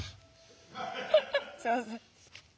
すいません。